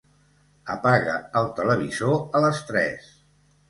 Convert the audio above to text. Apaga el televisor a les tres.